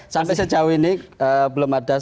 sampai sejauh ini belum ada